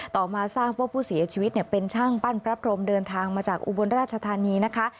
ต่อมาทราบว่าผู้เสียชีวิตเป็นช่างปั้นพระพรมเดินทางมาจากอุบลราชธานีนะคะ